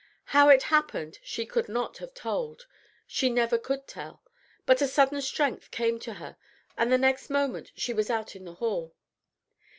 How it happened she could not have told, she never could tell; but a sudden strength came to her, and the next moment she was out in the hall.